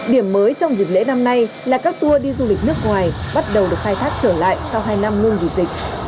điểm mới trong dịp lễ năm nay là các tour đi du lịch nước ngoài bắt đầu được khai thác trở lại sau hai năm ngừng vì dịch